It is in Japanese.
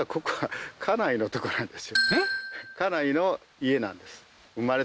家内の家なんです